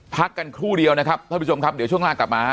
พักกันครู่เดียวนะครับท่านผู้ชมครับเดี๋ยวช่วงหน้ากลับมาฮะ